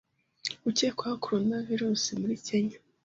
Ukekwaho coronavirus muri Kenya